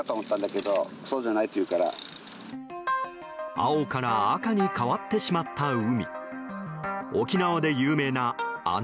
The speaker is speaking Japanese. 青から赤に変わってしまった海。